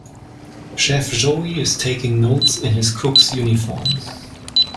Chef Joey is taking notes in his cook 's uniform.